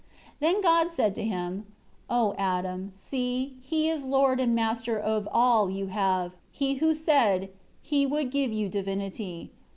6 Then God said to him, "O Adam, see, he is lord and master of all you have, he who said, he would give you divinity.